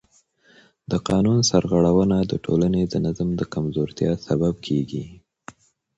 د قانون سرغړونه د ټولنې د نظم د کمزورتیا سبب کېږي